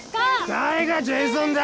誰がジェイソンだ！